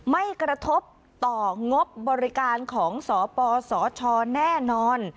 ไม่กระทบต่องบบริการของสปสชแน่นอน